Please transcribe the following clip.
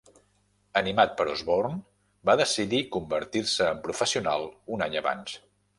Animat per Osborne, va decidir convertir-se en professional un any abans.